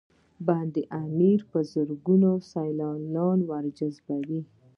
بند امیر په زرګونه سیلانیان ورجذبوي